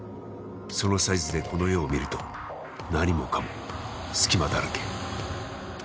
そのサイズでこの世を見ると何もかも隙間だらけ。